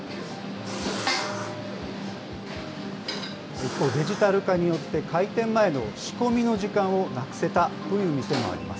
一方、デジタル化によって、開店前の仕込みの時間をなくせたという店もあります。